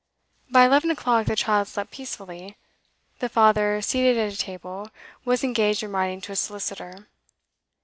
By eleven o'clock the child slept peacefully. The father, seated at a table, was engaged in writing to a solicitor.